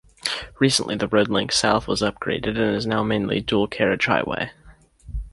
Recently the road link south was upgraded and is now mainly dual carriageway highway.